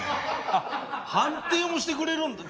あっ判定もしてくれるんだ。